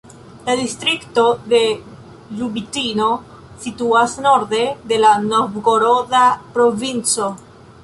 La distrikto de Lubitino situas norde de la Novgoroda provinco.